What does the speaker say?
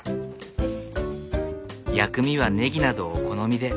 薬味はネギなどお好みで。